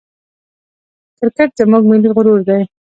کرکټ زموږ ملي غرور دئ.